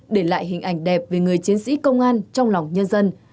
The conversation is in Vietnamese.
để lại hình ảnh đẹp về người chiến sĩ công an trong lòng nhân dân